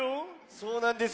そうなんですよ。